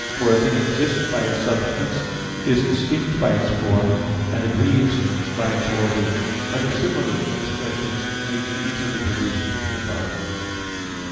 For a thing exists by its substance, is distinct by its form, and agrees by its order. Other similar expressions may be easily reduced to the above.